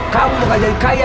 kamu bakal jadi kaya